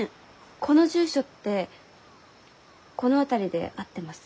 この住所ってこの辺りで合ってます？